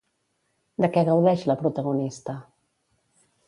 De què gaudeix la protagonista?